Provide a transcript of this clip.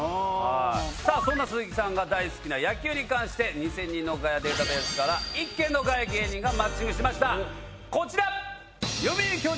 そんな鈴木さんが大好きな野球に関して２０００人のガヤデータベースから１件のガヤ芸人がマッチングしました。